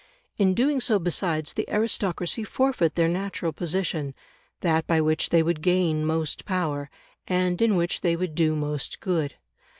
In doing so besides the aristocracy forfeit their natural position that by which they would gain most power, and in which they would do most good.